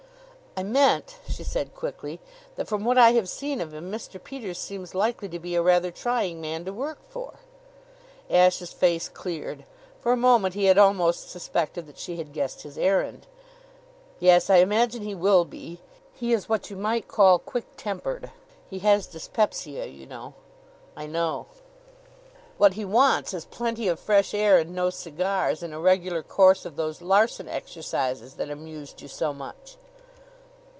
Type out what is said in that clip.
"I meant," she said quickly, "that from what I have seen of him Mr. Peters seems likely to be a rather trying man to work for." Ashe's face cleared. For a moment he had almost suspected that she had guessed his errand. "Yes. I imagine he will be. He is what you might call quick tempered. He has dyspepsia, you know." "I know." "What he wants is plenty of fresh air and no cigars, and a regular course of those Larsen Exercises that amused you so much."